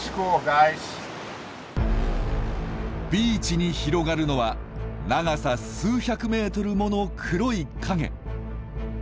ビーチに広がるのは長さ数百メートルもの黒い影。